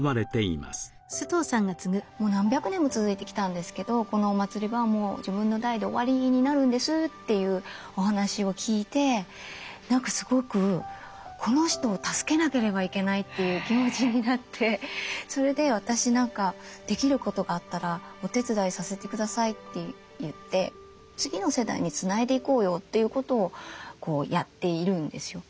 「もう何百年も続いてきたんですけどこのお祭りはもう自分の代で終わりになるんです」というお話を聞いて何かすごく「この人を助けなければいけない」という気持ちになってそれで「私何かできることがあったらお手伝いさせて下さい」って言って次の世代につないでいこうよということをやっているんですよ。